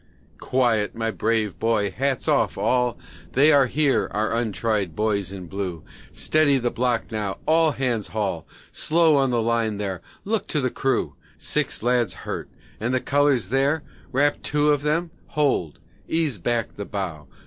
Quiet, my brave boys; hats off, all! They are here, our "untried" boys in blue. Steady the block, now, all hands haul! Slow on the line there! look to that crew! Six lads hurt! and the colors there? Wrap two of them? hold! Ease back the bow!